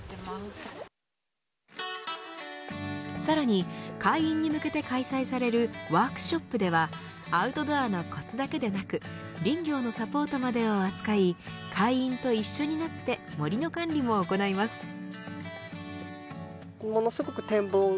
さらに会員に向けて開催されるワークショップではアウトドアのこつだけでなく林業のサポートまでを扱い会員と一緒になって森の管理も行います。